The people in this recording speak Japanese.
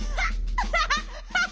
アハハハハ！